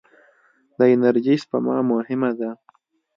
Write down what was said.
د انرژۍ سپما مهمه ده.